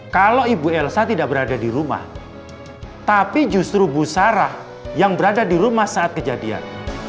kalau ibu elsa tidak berada di rumah tapi justru bu sarah yang berada di rumah saat kejadian